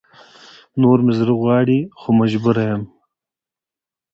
نور مې زړه هم نه غواړي خو مجبوره يم